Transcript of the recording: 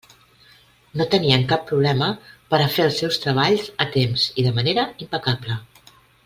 No tenien cap problema per a fer els seus treballs a temps i de manera impecable.